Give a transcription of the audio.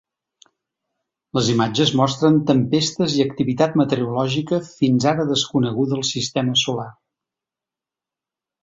Les imatges mostren tempestes i activitat meteorològica fins ara desconeguda al sistema solar.